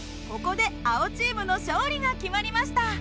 ここで青チームの勝利が決まりました。